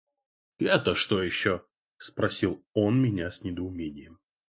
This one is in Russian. «Это что еще?» – спросил он меня с недоумением.